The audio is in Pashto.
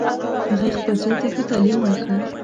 هغې خپل زوی ته ښه تعلیم ورکړ